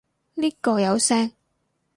呢個有聲